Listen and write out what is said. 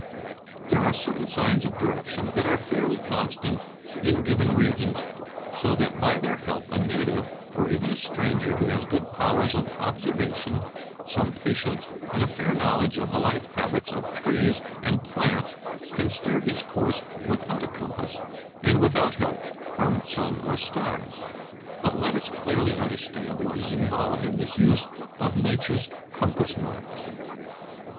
There are certain signs of direction that are fairly constant in given regions, so that by their help a native, or even a stran ger who has good powers of observation, some patience, and a fair knowledge of the life habits of trees and plants, can steer his course without a compass, and without help from sun or stars. But let us clearly understand what is involved in this use of nature's compass marks.